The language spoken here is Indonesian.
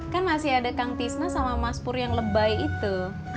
kan masih ada kang tisna sama mas pur yang lebay itu